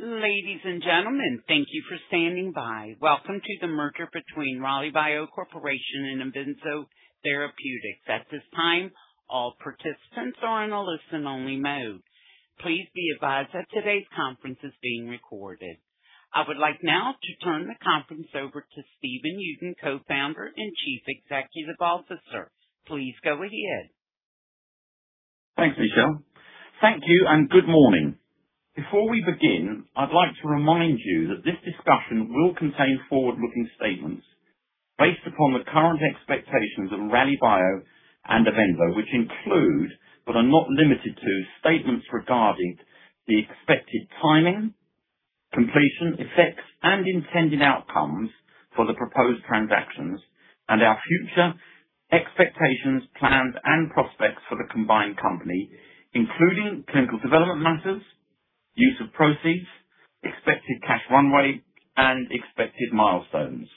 Ladies and gentlemen, thank you for standing by. Welcome to the merger between Rallybio Corporation and Avenzo Therapeutics. At this time, all participants are in a listen-only mode. Please be advised that today's conference is being recorded. I would like now to turn the conference over to Stephen Uden, Co-founder and Chief Executive Officer. Please go ahead. Thanks, Michelle. Thank you and good morning. Before we begin, I'd like to remind you that this discussion will contain forward-looking statements based upon the current expectations of Rallybio and Avenzo, which include, but are not limited to, statements regarding the expected timing, completion, effects, and intended outcomes for the proposed transactions and our future expectations, plans, and prospects for the combined company, including clinical development matters, use of proceeds, expected cash runway, and expected milestones.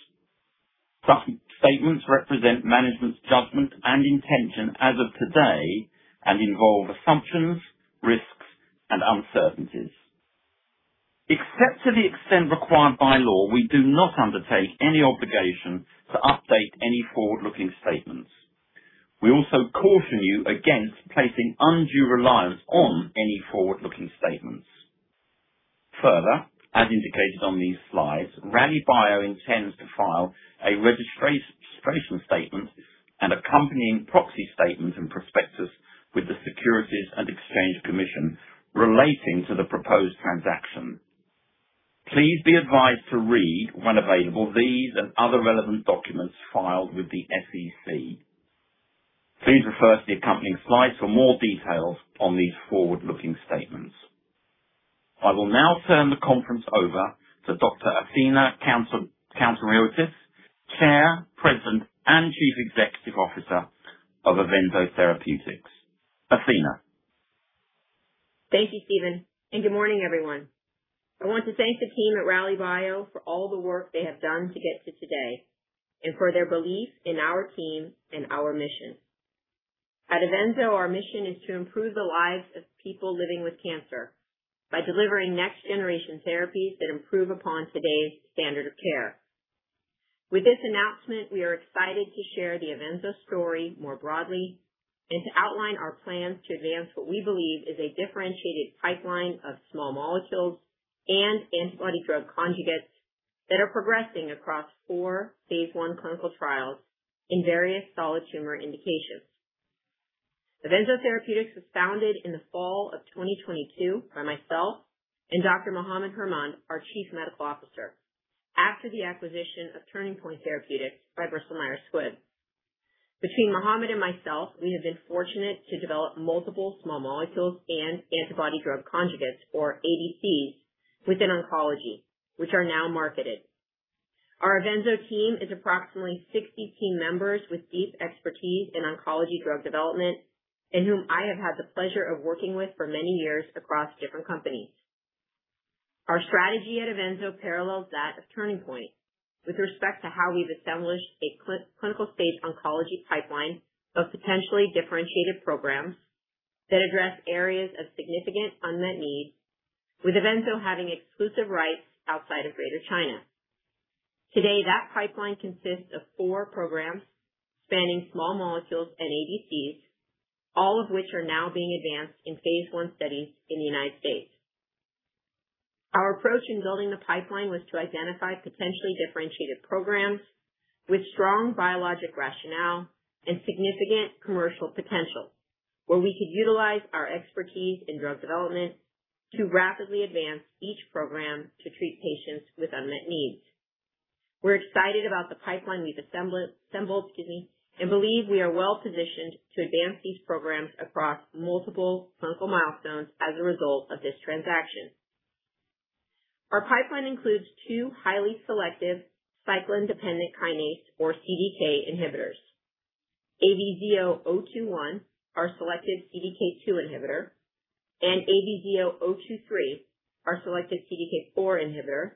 Such statements represent management's judgment and intention as of today and involve assumptions, risks, and uncertainties. Except to the extent required by law, we do not undertake any obligation to update any forward-looking statements. We also caution you against placing undue reliance on any forward-looking statements. Further, as indicated on these slides, Rallybio intends to file a registration statement and accompanying proxy statement and prospectus with the Securities and Exchange Commission relating to the proposed transaction. Please be advised to read, when available, these and other relevant documents filed with the SEC. Please refer to the accompanying slides for more details on these forward-looking statements. I will now turn the conference over to Dr. Athena Countouriotis, Chair, President, and Chief Executive Officer of Avenzo Therapeutics. Athena. Thank you, Stephen. Good morning, everyone. I want to thank the team at Rallybio for all the work they have done to get to today and for their belief in our team and our mission. At Avenzo, our mission is to improve the lives of people living with cancer by delivering next-generation therapies that improve upon today's standard of care. With this announcement, we are excited to share the Avenzo story more broadly and to outline our plans to advance what we believe is a differentiated pipeline of small molecules and antibody-drug conjugates that are progressing across four phase I clinical trials in various solid tumor indications. Avenzo Therapeutics was founded in the fall of 2022 by myself and Dr. Mohammad Hirmand, our Chief Medical Officer, after the acquisition of Turning Point Therapeutics by Bristol Myers Squibb. Between Mohammad and myself, we have been fortunate to develop multiple small molecules and antibody drug conjugates, or ADCs, within oncology, which are now marketed. Our Avenzo team is approximately 60 team members with deep expertise in oncology drug development and whom I have had the pleasure of working with for many years across different companies. Our strategy at Avenzo parallels that of Turning Point with respect to how we've established a clinical-stage oncology pipeline of potentially differentiated programs that address areas of significant unmet need, with Avenzo having exclusive rights outside of Greater China. Today, that pipeline consists of four programs spanning small molecules and ADCs, all of which are now being advanced in phase I studies in the United States. Our approach in building the pipeline was to identify potentially differentiated programs with strong biologic rationale and significant commercial potential, where we could utilize our expertise in drug development to rapidly advance each program to treat patients with unmet needs. We're excited about the pipeline we've assembled and believe we are well-positioned to advance these programs across multiple clinical milestones as a result of this transaction. Our pipeline includes two highly selective cyclin-dependent kinase, or CDK inhibitors. AVZO-021, our selected CDK2 inhibitor, and AVZO-023, our selected CDK4 inhibitor,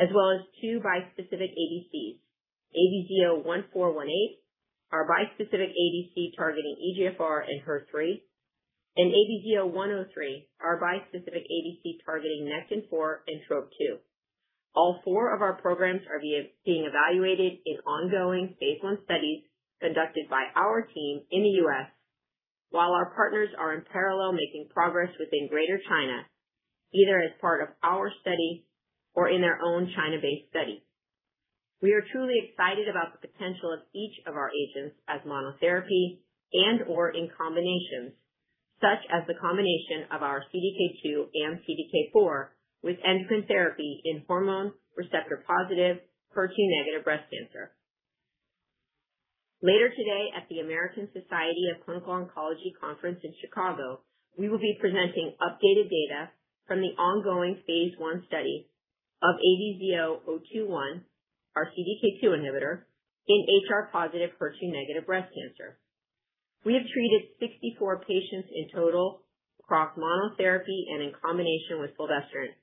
as well as two bispecific ADCs. AVZO-1418, our bispecific ADC targeting EGFR and HER3, and AVZO-103, our bispecific ADC targeting Nectin4 and Trop2. All four of our programs are being evaluated in ongoing phase I studies conducted by our team in the U.S., while our partners are in parallel making progress within Greater China, either as part of our study or in their own China-based study. We are truly excited about the potential of each of our agents as monotherapy and/or in combinations, such as the combination of our CDK2 and CDK4 with endocrine therapy in hormone receptor-positive, HER2-negative breast cancer. Later today at the American Society of Clinical Oncology conference in Chicago, we will be presenting updated data from the ongoing phase I study of AVZO-021, our CDK2 inhibitor, in HR-positive, HER2-negative breast cancer. We have treated 64 patients in total across monotherapy and in combination with fulvestrant,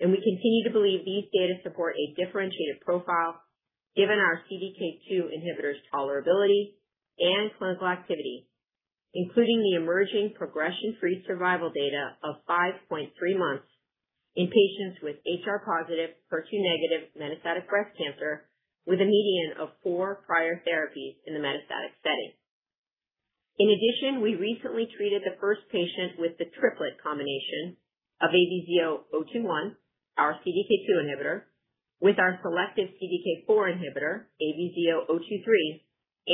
and we continue to believe these data support a differentiated profile given our CDK2 inhibitor's tolerability and clinical activity. Including the emerging progression-free survival data of five point three months in patients with HR-positive, HER2-negative metastatic breast cancer with a median of four prior therapies in the metastatic setting. In addition, we recently treated the first patient with the triplet combination of AVZO-021, our CDK2 inhibitor, with our selective CDK4 inhibitor, AVZO-023,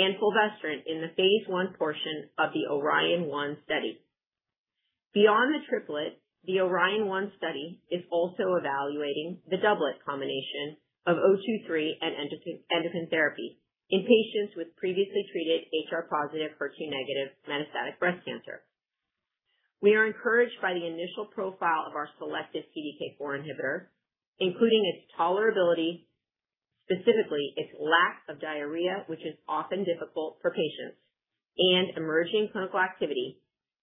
and fulvestrant in the phase I portion of the ORION-1 study. Beyond the triplet, the ORION-1 study is also evaluating the doublet combination of 023 and endocrine therapy in patients with previously treated HR-positive, HER2-negative metastatic breast cancer. We are encouraged by the initial profile of our selective CDK4 inhibitor, including its tolerability, specifically its lack of diarrhea, which is often difficult for patients, and emerging clinical activity,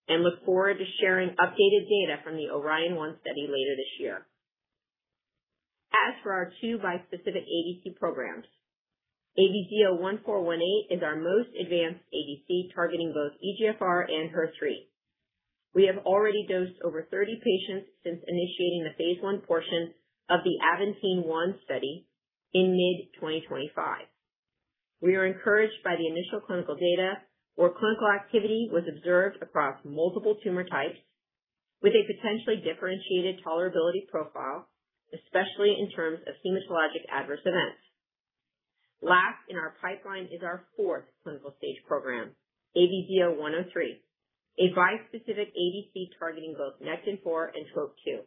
and look forward to sharing updated data from the ORION-1 study later this year. As for our two bispecific ADC programs, AVZO-1418 is our most advanced ADC targeting both EGFR and HER3. We have already dosed over 30 patients since initiating the phase I portion of the AVENTINE-1 study in mid 2025. We are encouraged by the initial clinical data where clinical activity was observed across multiple tumor types with a potentially differentiated tolerability profile, especially in terms of hematologic adverse events. Last in our pipeline is our fourth clinical stage program, AVZO-103, a bispecific ADC targeting both Nectin4 and Trop2.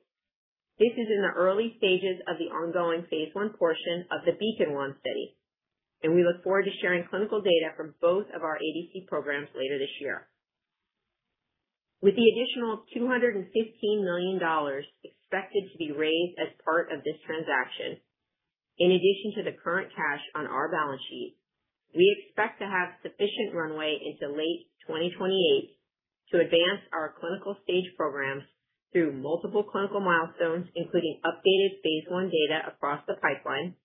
This is in the early stages of the ongoing phase I portion of the BEACON-1 study. We look forward to sharing clinical data from both of our ADC programs later this year. With the additional $215 million expected to be raised as part of this transaction, in addition to the current cash on our balance sheet, we expect to have sufficient runway into late 2028 to advance our clinical stage programs through multiple clinical milestones, including updated phase I data across the pipeline,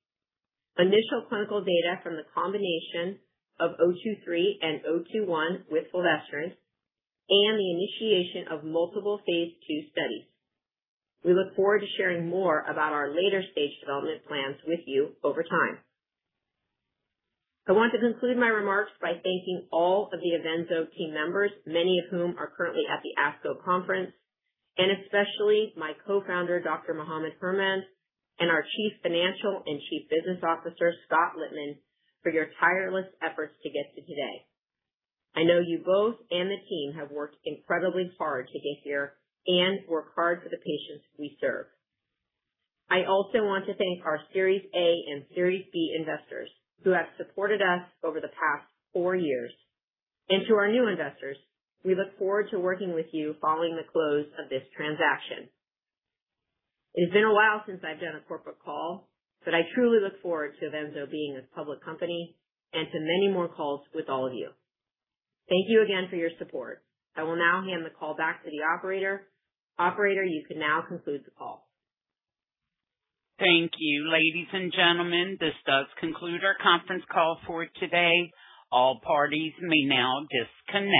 initial clinical data from the combination of 023 and 021 with fulvestrant, and the initiation of multiple phase II studies. We look forward to sharing more about our later-stage development plans with you over time. I want to conclude my remarks by thanking all of the Avenzo team members, many of whom are currently at the ASCO conference, and especially my co-founder, Dr. Mohammad Hirmand, and our Chief Financial and Chief Business Officer, Scott Lipman, for your tireless efforts to get to today. I know you both and the team have worked incredibly hard to get here and work hard for the patients we serve. To our new investors, we look forward to working with you following the close of this transaction. It has been a while since I've done a corporate call, but I truly look forward to Avenzo being a public company and to many more calls with all of you. Thank you again for your support. I will now hand the call back to the operator. Operator, you can now conclude the call. Thank you. Ladies and gentlemen, this does conclude our conference call for today. All parties may now disconnect.